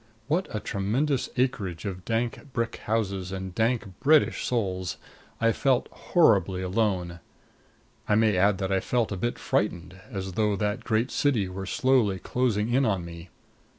What a tremendous acreage of dank brick houses and dank British souls! I felt horribly alone. I may add that I felt a bit frightened, as though that great city were slowly closing in on me.